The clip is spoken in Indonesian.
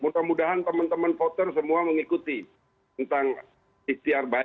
mudah mudahan teman teman voter semua mengikuti tentang ikhtiar baik